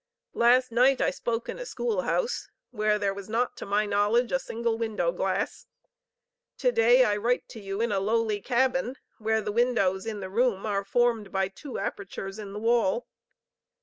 Last night I spoke in a school house, where there was not, to my knowledge, a single window glass; to day I write to you in a lowly cabin, where the windows in the room are formed by two apertures in the wall.